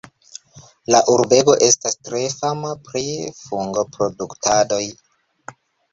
La urbego estas tre fama pri fungoproduktadoj.